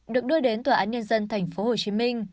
được đưa đến tòa án nhân dân tp hcm